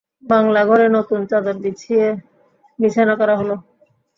বাংলাঘরে নতুন চাদর বিছিয়ে বিছানা করা হলো।